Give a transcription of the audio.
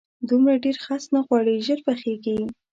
دومره ډېر خس نه غواړي، ژر پخېږي.